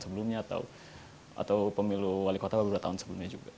sebelumnya atau pemilu wali kota beberapa tahun sebelumnya juga